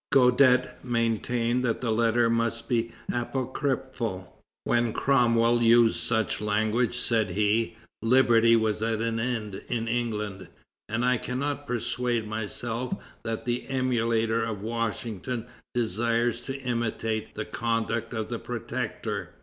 Guadet maintained that the letter must be apocryphal. "When Cromwell used such language," said he, "liberty was at an end in England, and I cannot persuade myself that the emulator of Washington desires to imitate the conduct of the Protector.